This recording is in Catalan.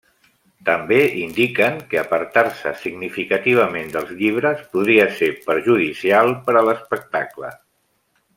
També indiquen que apartar-se significativament dels llibres podria ser perjudicial per a l'espectacle.